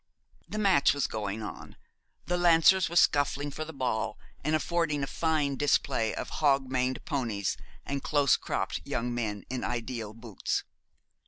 The match was going on. The Lancers were scuffling for the ball, and affording a fine display of hog maned ponies and close cropped young men in ideal boots.